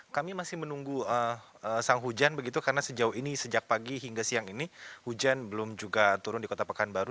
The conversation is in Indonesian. kami masih menunggu sang hujan begitu karena sejauh ini sejak pagi hingga siang ini hujan belum juga turun di kota pekanbaru